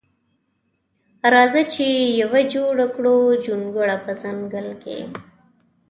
راخه چی یوه جوړه کړو جونګړه په ځنګل کی.